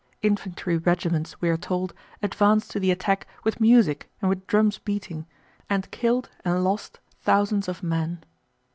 Infantry regiments, we are told, advanced to the attack with music and with drums beating, and killed and lost thousands of men.